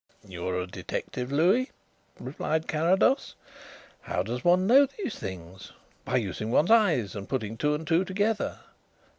"You are a detective, Louis," replied Carrados. "How does one know these things? By using one's eyes and putting two and two together."